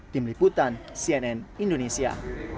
tim liputan cnn indonesia